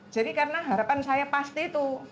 jadi karena harapan saya pasti itu